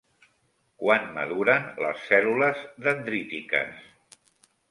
Quan maduren les cèl·lules dendrítiques?